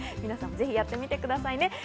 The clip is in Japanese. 皆さんもぜひやってみてください。